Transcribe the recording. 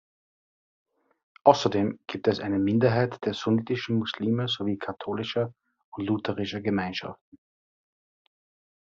Außerdem gibt es eine Minderheit der sunnitischen Muslime sowie katholischer und lutherischer Gemeinschaften.